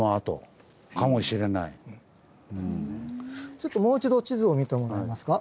ちょっともう一度地図を見てもらえますか。